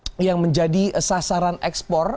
ini yang menjadi sasaran ekspor